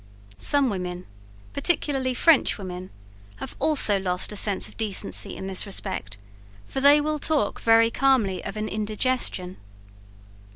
Some women, particularly French women, have also lost a sense of decency in this respect; for they will talk very calmly of an indigestion.